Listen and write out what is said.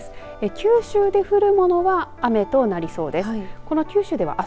九州で降るものは雨となりそうです。